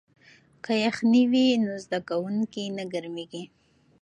که یخنۍ وي نو زده کوونکی نه ګرمیږي.